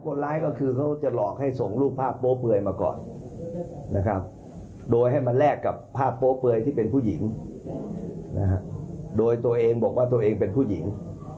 คนร้ายก็คือเขาจะหลอกให้ส่งรูปภาพโป๊เปลือยมาก่อนนะครับโดยให้มันแลกกับภาพโป๊เปลือยที่เป็นผู้หญิงนะฮะโดยตัวเองบอกว่าตัวเองเป็นผู้หญิง